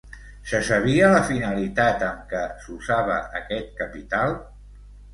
Se sabia la finalitat amb què s'usava aquest capital?